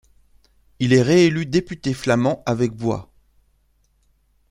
Il est réélu député flamand avec voix.